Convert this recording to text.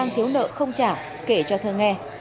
khang thiếu nợ không trả kể cho thơ nghe